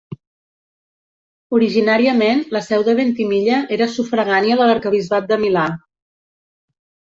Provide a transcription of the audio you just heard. Originàriament, la seu de Ventimiglia era sufragània de l'arquebisbat de Milà.